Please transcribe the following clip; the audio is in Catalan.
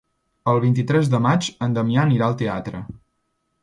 El vint-i-tres de maig en Damià anirà al teatre.